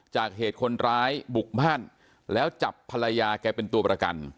จากเหตุคนร้ายบุกบ้านแล้วจับภรรยาแกเป็นตัวประกัน